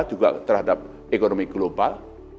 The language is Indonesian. juga terhadap ekonomi global